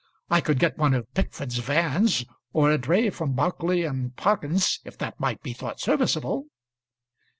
I could get one of Pickford's vans, or a dray from Barclay and Perkins', if that might be thought serviceable."